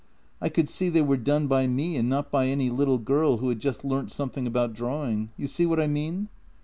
I could see they were done by me and not by any little girl who had just learnt something about drawing. You see what I mean?